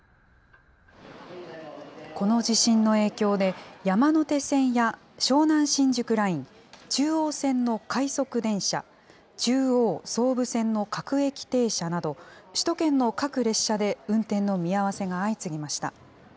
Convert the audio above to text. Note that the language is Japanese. この地震の影響で、山手線や湘南新宿ライン、中央線の快速電車、中央・総武線の各駅停車など、首都圏の各列車で運転の見合わせが相次ぎました。